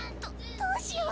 どどうしよう。